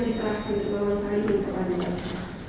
pada saat istimewa yang berhasil